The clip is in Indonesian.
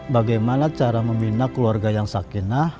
bagaimana cara membina keluarga yang sakinah